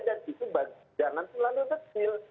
dan itu jangan terlalu kecil